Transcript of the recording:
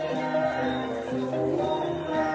การทีลงเพลงสะดวกเพื่อความชุมภูมิของชาวไทย